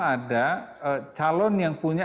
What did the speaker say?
ada calon yang punya